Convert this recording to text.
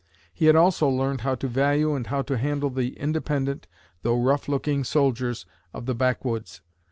He had also learned how to value and how to handle the independent, though rough looking, soldiers of the backwoods.